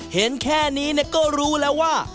เห็นแค่นี้ก็รู้แล้วว่า